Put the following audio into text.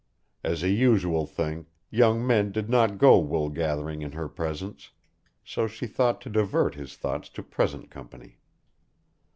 As a usual thing, young men did not go wool gathering in her presence; so she sought to divert his thoughts to present company.